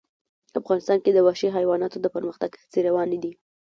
افغانستان کې د وحشي حیواناتو د پرمختګ هڅې روانې دي.